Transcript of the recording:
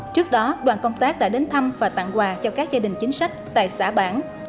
trước đó đoàn công tác đã đến thăm và tặng quà cho các gia đình chính sách tại xã bản